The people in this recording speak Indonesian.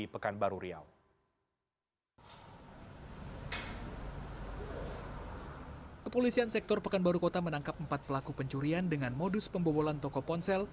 kepolisian sektor pekanbaru kota menangkap empat pelaku pencurian dengan modus pembobolan toko ponsel